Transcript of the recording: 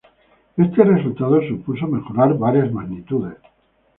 Este resultado supuso mejorar varias magnitudes cualquier aproximación anterior.